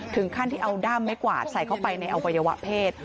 ถึงขั้นที่เอาด้ามไม่กวาดใส่เข้าไปในอวัยวะเพศ